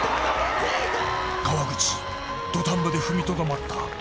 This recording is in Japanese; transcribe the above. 川口、土壇場で踏みとどまった。